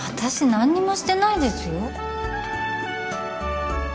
なんにもしてないですよ？